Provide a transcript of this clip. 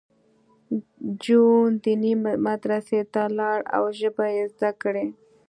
جون دیني مدرسې ته لاړ او ژبې یې زده کړې